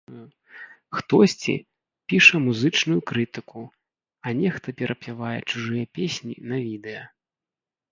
Хтосьці піша музычную крытыку, а нехта перапявае чужыя песні на відэа.